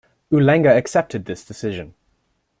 Ulenga accepted this decision.